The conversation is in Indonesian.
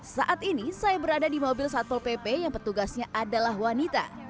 saat ini saya berada di mobil satpol pp yang petugasnya adalah wanita